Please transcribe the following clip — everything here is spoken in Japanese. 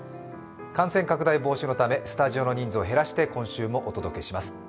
感染拡大防止のためスタジオの人数を減らして今週もお届けします。